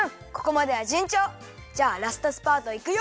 じゃあラストスパートいくよ！